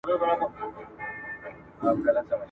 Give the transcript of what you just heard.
هم پر ستړي ځان لرګي یې اورېدله ..